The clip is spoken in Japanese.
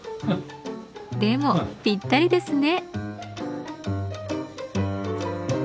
でもぴったりですね。